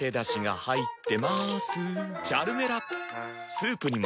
スープにも。